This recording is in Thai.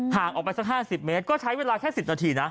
ห่างออกไปสัก๕๐เมตรก็ใช้เวลาแค่๑๐นาทีนะ